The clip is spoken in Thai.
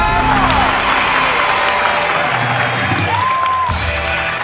จะสู้หรือจะหยุดครับ